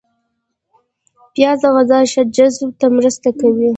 پیاز د غذا ښه جذب ته مرسته کوي